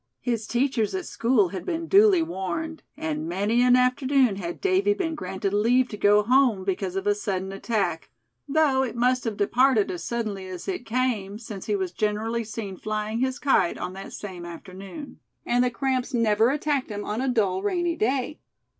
His teachers at school had been duly warned, and many an afternoon had Davy been granted leave to go home because of a sudden attack; though it must have departed as suddenly as it came; since he was generally seen flying his kite on that same afternoon. And the cramps never attacked him on a dull, rainy day.